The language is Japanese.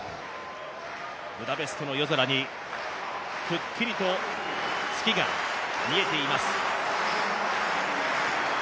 ブダペストの夜空にくっきりと月が見えています。